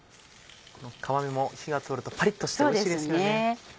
この皮目も火が通るとパリっとしておいしいですよね。